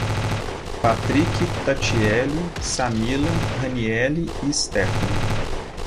Patric, Tatiele, Samila, Raniele e Stephanie